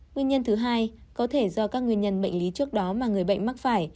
nguyên nhân thứ hai có thể do các nguyên nhân bệnh lý trước đó mà người bệnh mắc phải